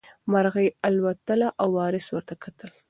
مرغۍ الوتله او وارث ورته کتل.